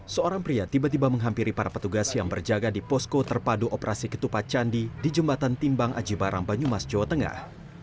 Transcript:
seorang pria tiba tiba menghampiri para petugas yang berjaga di posko terpadu operasi ketupat candi di jembatan timbang aji barang banyumas jawa tengah